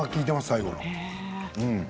最後の。